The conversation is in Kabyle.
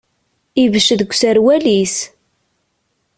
Ibecc deg userwal-is.